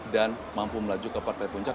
dan mampu melaju ke partai puncak